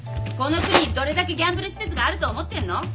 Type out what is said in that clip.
この国にどれだけギャンブル施設があると思ってんの。